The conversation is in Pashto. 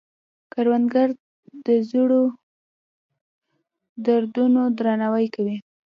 کروندګر د زړو دودونو درناوی کوي